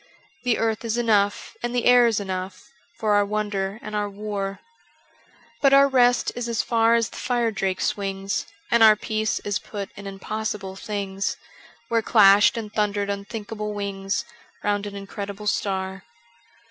The earth is enough and the air is enough For our wonder and our war ; 399 But our rest is as far as the fire drake swings And our peace is put in impossible things Where clashed and thundered unthinkable wings Round an incredible star.